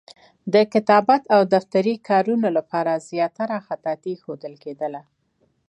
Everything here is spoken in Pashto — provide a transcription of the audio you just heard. د کتابت او دفتري کارونو لپاره زیاتره خطاطي ښودل کېدله.